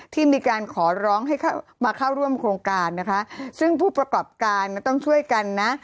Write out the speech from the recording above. ที่มีการขอร้องให้เข้ามาเข้าร่วมโครงการนะคะซึ่งผู้ประกอบการต้องช่วยกันนะ